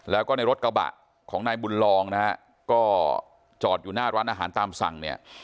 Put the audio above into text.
แล้วก็ในรถกระบะของนายบุญลองนะฮะก็จอดอยู่หน้าร้านอาหารตามสั่งเนี่ย